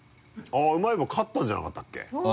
あっうまい棒勝ったんじゃなかったっけ？